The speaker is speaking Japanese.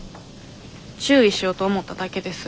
注意しようと思っただけです。